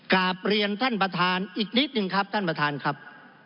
กราบเรียนท่านประธานอีกนิดนึงครับท่านประธานครับ